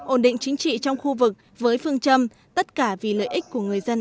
ổn định chính trị trong khu vực với phương châm tất cả vì lợi ích của người dân